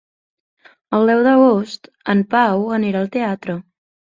El deu d'agost en Pau anirà al teatre.